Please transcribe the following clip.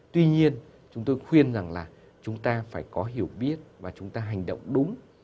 tuy nhiên chúng tôi khuyên rằng là chúng ta phải có hiểu biết và chúng ta hành động đúng